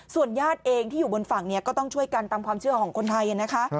ญาติเองที่อยู่บนฝั่งเนี่ยก็ต้องช่วยกันตามความเชื่อของคนไทยนะคะ